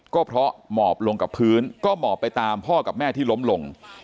ก็เพราะหมอบลงกับพื้นก็หมอบไปตามพ่อกับแม่ที่ล้มลง